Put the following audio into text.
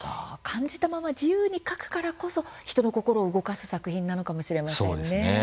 感じたまま自由に描くからこそ人の心を動かす作品なのかもしれませんね。